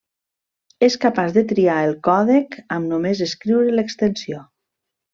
És capaç de triar el còdec amb només escriure l'extensió.